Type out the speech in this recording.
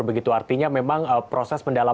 begitu artinya memang proses pendalaman